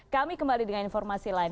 kami kembali dengan informasi lain